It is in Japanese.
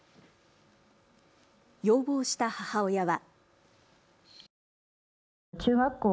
要望した母親は。